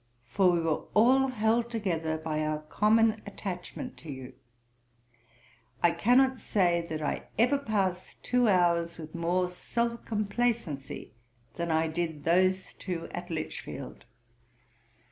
for we were all held together by our common attachment to you. I cannot say that I ever passed two hours with more self complacency than I did those two at Lichfield.